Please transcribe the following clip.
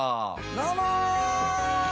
どうも！